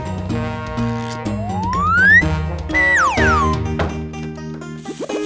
gak ada nyamuk